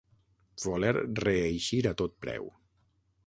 Voler reeixir a tot preu.